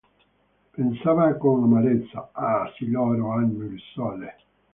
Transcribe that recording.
Pensava con amarezza, – Ah, sì, loro hanno il sole!